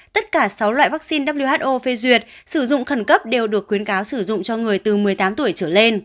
tất cả sáu loại vaccine who phê duyệt sử dụng khẩn cấp đều được khuyến cáo sử dụng cho người từ một mươi tám tuổi trở lên